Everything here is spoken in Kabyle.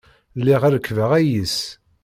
Lliɣ rekkbeɣ ayis.